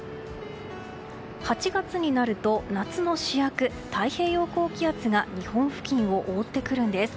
８月になると夏の主役太平洋高気圧が日本付近を覆ってくるんです。